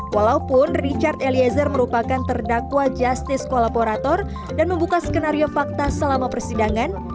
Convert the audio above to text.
walaupun richard eliezer merupakan terdakwa justice kolaborator dan membuka skenario fakta selama persidangan